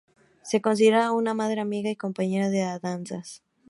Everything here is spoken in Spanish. Se considera una madre amiga y compañera de andanzas.